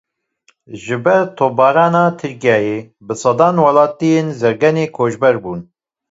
Ji ber topbarana Tirkiyeyê bi sedan welatiyên Zirganê koçber bûn.